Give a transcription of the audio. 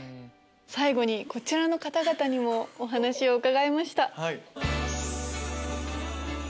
最後にこちらの方々にもお話を伺いました。